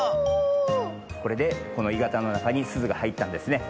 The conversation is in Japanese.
これでこのいがたのなかにすずがはいったんですね。